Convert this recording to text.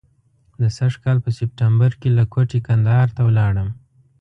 د سږ کال په سپټمبر کې له کوټې کندهار ته ولاړم.